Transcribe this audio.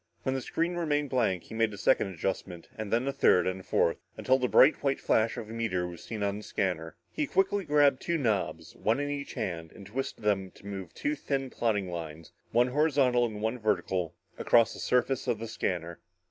When the screen remained blank, he made a second adjustment, and then a third and fourth, until the bright white flash of a meteor was seen on the scanner. He quickly grabbed two knobs, one in each hand, and twisted them to move two thin, plotting lines, one horizontal and one vertical, across the surface of the scanner.